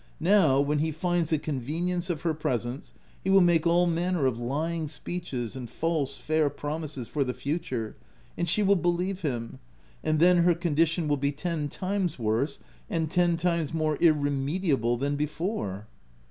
Now, when he finds the convenience of her presence, he will make all manner of lying speeches and false, fair pro mises for the future, and she will believe him, and then her condition will be ten times worse and ten times more irremediable than before."